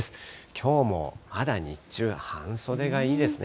きょうもまだ日中、半袖がいいですね。